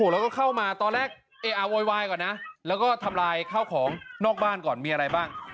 แล้วก็ทำลายข้าวของนอกบ้านก่อนมีอะไรบ้าง